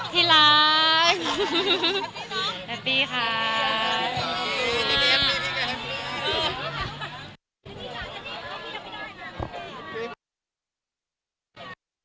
พี่ฟ้าตอนนี้หัวใจแล้วแฮปปี้หรือเปล่า